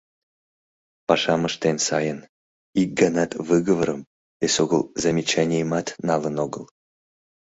Пашам ыштен сайын, ик ганат выговорым, эсогыл замечанийымат налын огыл.